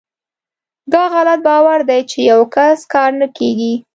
داغلط باور دی چې په یوکس کار نه کیږي .